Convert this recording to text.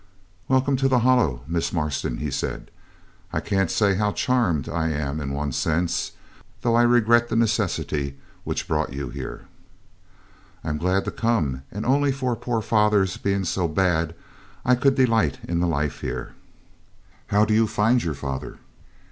'Welcome to the Hollow, Miss Marston,' he said. 'I can't say how charmed I am in one sense, though I regret the necessity which brought you here.' 'I'm glad to come, and only for poor father's being so bad I could delight in the life here.' 'How do you find your father?'